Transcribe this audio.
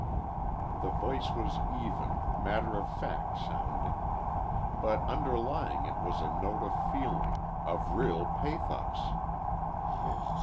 The voice was even, matter of fact sounding. But underlying it was a note of feeling of real pathos.